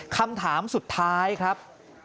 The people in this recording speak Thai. คำถามสุดท้ายครับ